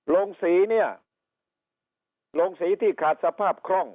โรงสีเนี่ยโรงสีที่ขาดสภาพคล่อง